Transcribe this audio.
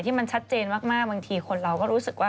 ที่มันชัดเจนมากบางทีคนนี้เรารู้สึกว่า